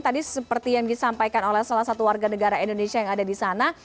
tadi seperti yang disampaikan oleh salah satu warga negara indonesia yang ada di sana